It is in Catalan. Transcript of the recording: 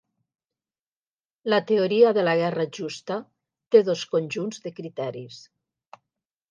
La teoria de la guerra justa té dos conjunts de criteris.